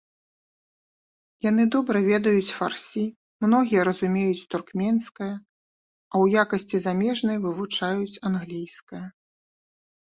Яны добра ведаюць фарсі, многія разумеюць туркменская, а ў якасці замежнай вывучаюць англійская.